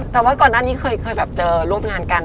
แต่ว่าก่อนหน้านี้เคยแบบเจอร่วมงานกัน